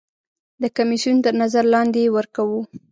د کمیسیون تر نظر لاندې یې ورکوو.